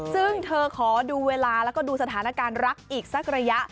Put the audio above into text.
ซึ่งเธอขอดูเวลาแล้วก็ดูสถานการณ์รักอีกสักระยะ